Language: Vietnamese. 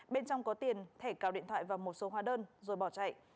bên trong có tiền thẻ cào điện thoại và một số hóa đơn rồi bỏ chạy